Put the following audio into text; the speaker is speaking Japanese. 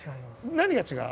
何が違う？